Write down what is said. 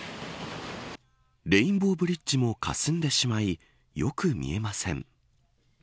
レインボーブリッジもかすんでしまいよく見えません。